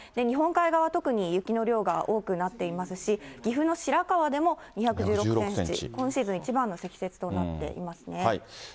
日本海側、特に雪の量が多くなっていますし、岐阜の白川でも２１６センチ、今シーズン一番の積雪となっていますね。